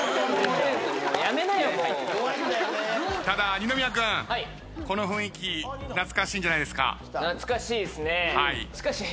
ただ二宮君この雰囲気懐かしいんじゃないですか？